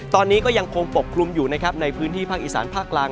ตอนนี้ก็ยังคงปกปรุงอยู่ในพื้นที่ภาคอีสานภาคลาง